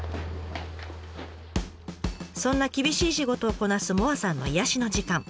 そんな厳しい仕事をこなす萌彩さんの癒やしの時間。